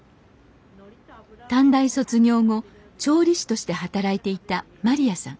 短大卒業後調理師として働いていたまりやさん。